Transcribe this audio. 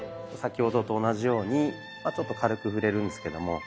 先ほどと同じようにちょっと軽く触れるんですけども。